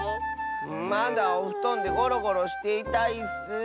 まだおふとんでゴロゴロしていたいッス。